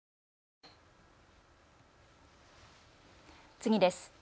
次です。